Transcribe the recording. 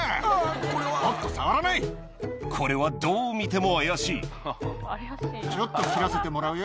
これはどう見ても怪しいちょっと切らせてもらうよ。